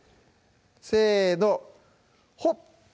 せのほっ！